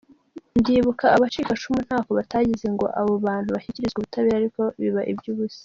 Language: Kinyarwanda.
Ndibuka abacikacumu ntako batagize ngo abo bantu bashyikirizwe ubutabera ariko biba ibyubusa.